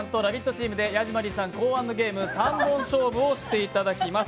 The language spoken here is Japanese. チームでヤジマリーさん考案のゲーム３本勝負をしていただきます。